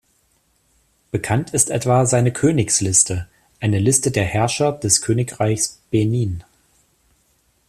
Bekannt ist etwa seine "Königsliste", eine Liste der Herrscher des Königreichs Benin.